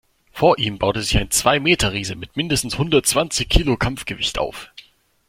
Vor ihm baute sich ein Zwei-Meter-Riese mit mindestens hundertzwanzig Kilo Kampfgewicht auf.